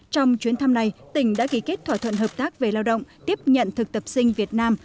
trong chuyến thăm này tỉnh đã ký kết thỏa thuận hợp tác về lao động tiếp nhận thực tập sinh việt nam